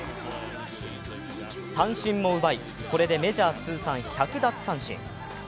三振も奪い、これでメジャー通算１００奪三振。